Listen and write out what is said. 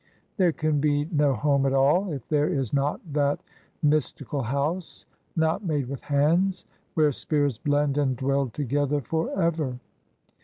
There can be no home at all if there is not that mystical house, 'not made with hands,' where spirits blend and dwell together for ever."